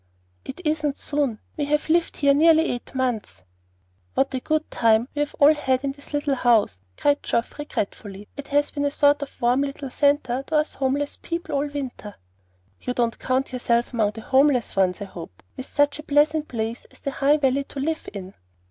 "It isn't soon. We have lived here nearly eight months." "What a good time we have all had in this little house!" cried Geoff, regretfully. "It has been a sort of warm little centre to us homeless people all winter." "You don't count yourself among the homeless ones, I hope, with such a pleasant place as the High Valley to live in."